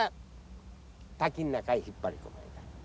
滝の中へ引っ張り込まれた。